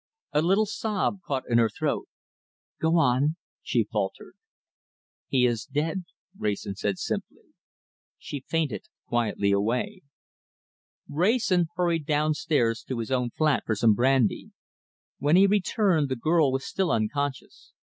A little sob caught in her throat. "Go on," she faltered. "He is dead," Wrayson said simply. She fainted quietly away. Wrayson hurried downstairs to his own flat for some brandy. When he returned the girl was still unconscious.